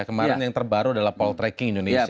kemarin yang terbaru adalah poll tracking indonesia